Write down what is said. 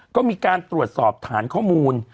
ก็มีการตรวจสอบฐานข้อมูล